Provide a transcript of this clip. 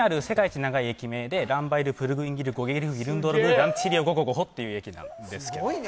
一長い駅名でランヴァイル・プルグウィンギル・ゴゲリフウィルンドロブル・ランティシリオゴゴゴホっていう駅なんです。